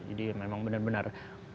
jadi memang benar benar